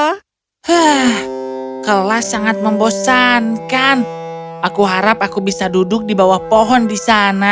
hah kelas sangat membosankan aku harap aku bisa duduk di bawah pohon di sana